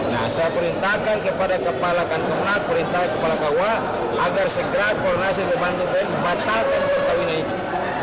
saya perintahkan kepada kepala kantorna perintah kepala kawah agar segera koronasi dibantuin batalkan pertawinan itu